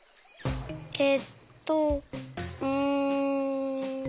えっとうん。